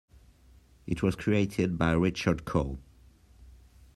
It was created by Richard Cole.